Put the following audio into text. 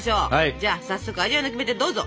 じゃあ早速味わいのキメテどうぞ！